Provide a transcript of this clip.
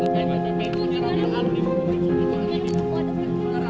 sini dikit aja bu